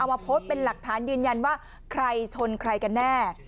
มาโพสต์เป็นหลักฐานยืนยันว่าใครชนใครกันแน่